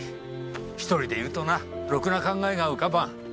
一人でいるとなろくな考えが浮かばん。